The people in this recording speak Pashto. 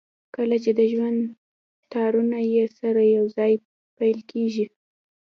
کله چې د ژوند تارونه يې سره يو ځای پييل کېږي.